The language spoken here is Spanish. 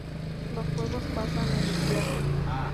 Los huevos pasan el invierno.